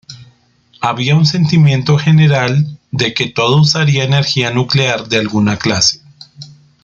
Había un sentimiento general de que todo usaría energía nuclear de alguna clase.